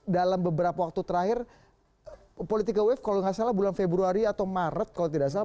dalam beberapa waktu terakhir politika wave kalau nggak salah bulan februari atau maret kalau tidak salah